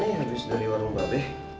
ini baru sampai nih habis dari warung babeh